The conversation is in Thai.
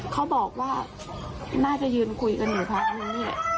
เขาบอกว่าน่าจะยืนคุยกันอยู่พักนึง